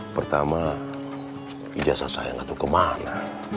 pertama ijazah saya gak tuh kemana